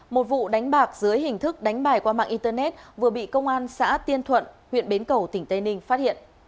một vụ đánh bạc dưới hình thức đánh bài qua mạng internet vừa bị công an xã tiên thuận huyện bến cầu tỉnh tây ninh phát hiện